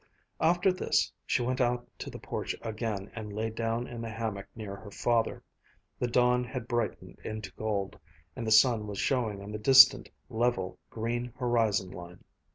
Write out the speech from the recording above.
After this she went out to the porch again and lay down in the hammock near her father. The dawn had brightened into gold, and the sun was showing on the distant, level, green horizon line.